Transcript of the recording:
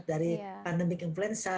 dari pandemik influenza